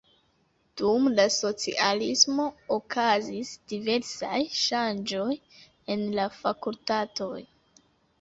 Dum la socialismo okazis diversaj ŝanĝoj en la fakultatoj.